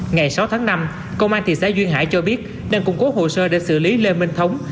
ngày sáu tháng năm công an thị xã duyên hải cho biết đang củng cố hồ sơ để xử lý lê minh thống